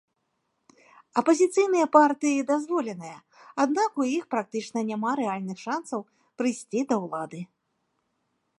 Апазіцыйныя партыі дазволеныя, аднак у іх практычна няма рэальных шанцаў прыйсці да ўлады.